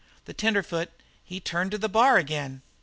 The tenderfoot, he turned to the bar again.